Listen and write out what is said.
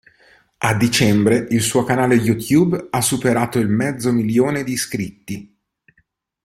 A dicembre il suo canale YouTube ha superato il mezzo milione di iscritti.